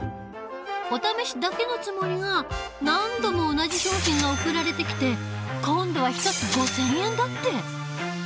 お試しだけのつもりが何度も同じ商品が送られてきて今度は１つ５，０００円だって！